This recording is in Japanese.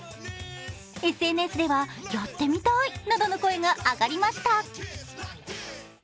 ＳＮＳではやってみたいなどの声が上がりました。